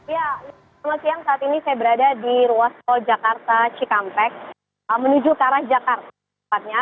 ya selamat siang saat ini saya berada di ruas tol jakarta cikampek menuju ke arah jakarta tepatnya